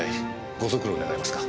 ご足労願えますか。